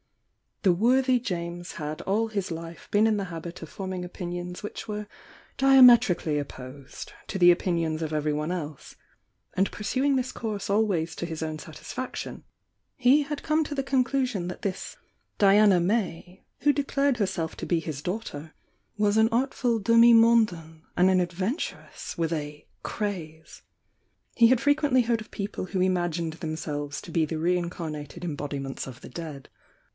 The worthy James had all his life been in the habit of forming opinions which were diametrically opposed to the opinions of everyone else,— and pursuing this course always to his own satisfaction, he had come to the conclusion that this Diana May" who declared herself to be his dau^ ter was an artful demi mondaine and adventuress with a "craze." He had frequently heard of people who imagmed themselves to be the reincarnated embodunents of the dead.